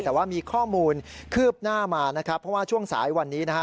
แต่ว่ามีข้อมูลคืบหน้ามานะครับเพราะว่าช่วงสายวันนี้นะฮะ